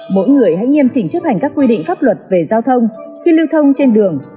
mỗi người hãy nghiêm chỉnh chấp hành các quy định pháp luật về giao thông khi lưu thông trên đường